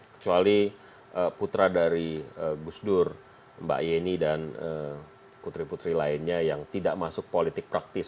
kecuali putra dari gus dur mbak yeni dan putri putri lainnya yang tidak masuk politik praktis